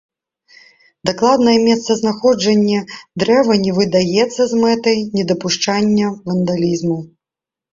Дакладнае месцазнаходжанне дрэва не выдаецца з мэтай недапушчэння вандалізму.